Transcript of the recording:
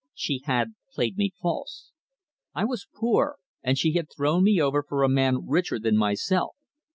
She had played me false. I was poor, and she had thrown me over for a man richer than myself.